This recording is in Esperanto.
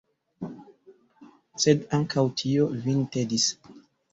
Sed ankaŭ tio vin tedis!